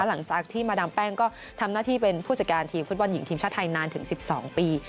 หลังจากที่มาดามแป้งก็ทำหน้าที่เป็นผู้จัดการทีมฟุตบอลหญิงทีมชาติไทยนานถึง๑๒ปี